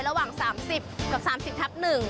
ระหว่าง๓๐กับ๓๐ทับ๑